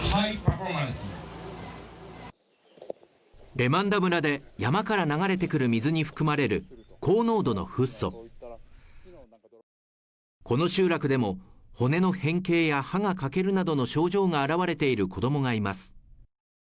レマンダ村で、山から流れてくる水に含まれる高濃度のフッ素この集落でも、骨の変形や歯が欠けるなどの症状が現れている子供がいます。